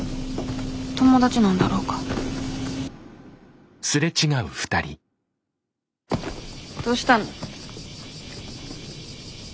友達なんだろうかどうしたの？